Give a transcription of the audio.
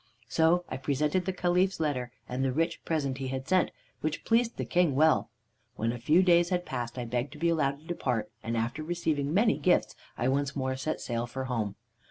"So I presented the Caliph's letter, and the rich present he had sent, which pleased the King well. When a few days had passed, I begged to be allowed to depart, and after receiving many gifts I once more set sail for home.